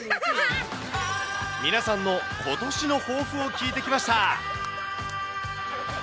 皆さんのことしの抱負を聞いてきました。